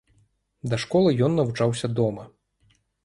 Да школы ён навучаўся дома.